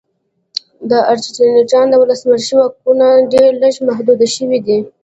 د ارجنټاین د ولسمشر واکونه ډېر لږ محدود شوي دي.